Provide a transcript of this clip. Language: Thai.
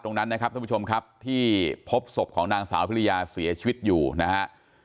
ตรงนั้นนะครับท่านผู้ชมครับที่พบศพของนางสาวพิริยาเสียชีวิตอยู่นะฮะ